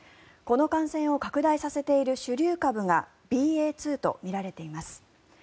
この感染を拡大させている主流株がＢＡ．２とみられています。